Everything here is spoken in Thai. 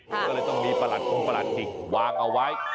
ก็เลยต้องมีประหลัดคงประหลัดขิกวางเอาไว้